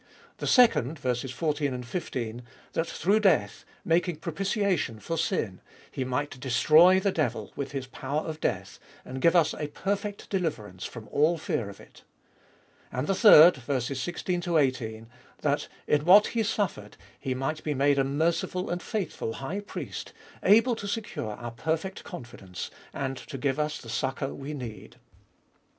The second (14, 15), that through death, making propitiation for sin, He might destroy the devil, with his power of death, and give us a perfect deliverance from all fear of it. And the third (16 18), that in what He suffered, He might be made a merciful and faithful High Priest, able to secure our perfect confidence, and to give us the succour we need.